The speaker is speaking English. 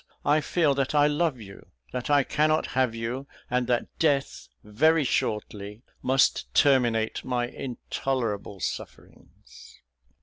I feel that I love you; that I cannot have you; and that death, very shortly, must terminate my intolerable sufferings."